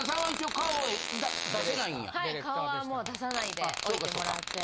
はい顔はもう出さないでおいてもらって。